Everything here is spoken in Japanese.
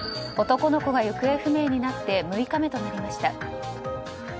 男の子が行方不明になって６日目となりました。